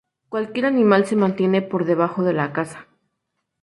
Cualquier animal se mantiene por debajo de la casa.